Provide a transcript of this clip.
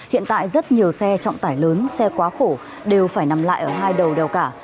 hiện tại rất nhiều xe trọng tải lớn xe quá khổ đều phải nằm lại ở hai đầu đèo cả